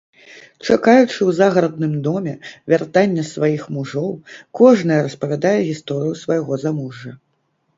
Чакаючы ў загарадным доме вяртання сваіх мужоў, кожная распавядае гісторыю свайго замужжа.